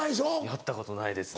やったことないですね。